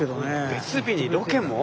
別日にロケも？